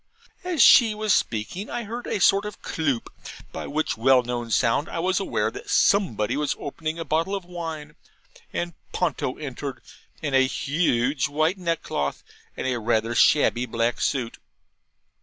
As she was speaking I heard a sort of CLOOP, by which well known sound I was aware that somebody was opening a bottle of wine, and Ponto entered, in a huge white neckcloth, and a rather shabby black suit.